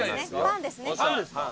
パンですね？